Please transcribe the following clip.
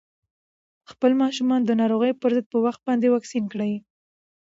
خپل ماشومان د ناروغیو پر ضد په وخت باندې واکسین کړئ.